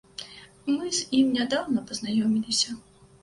Мы з ім нядаўна пазнаёміліся.